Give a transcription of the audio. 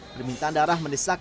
permintaan darah menisak